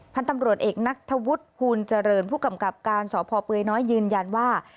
พันธุ์ตำรวจเอกนักธวุฒิภูลเจริญผู้กำกับการสพเปยน้อยยืนยันว่า